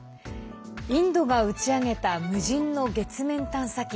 インドが打ち上げた無人の月面探査機